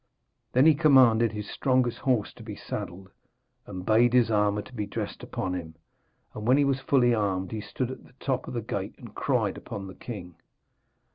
Then he commanded his strongest horse to be saddled, and bade his armour to be dressed upon him, and when he was fully armed he stood at the top of the gate and cried upon the king.